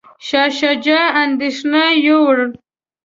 شاه شجاع اندیښنې یووړ.